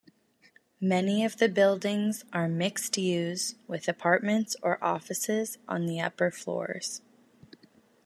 Many of the buildings are mixed-use, with apartments or offices on the upper floors.